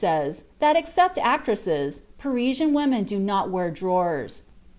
54) says that, except actresses, Parisian women do not wear drawers.